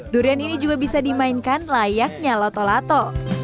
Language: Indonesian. durian ini juga bisa dimainkan layaknya lato lato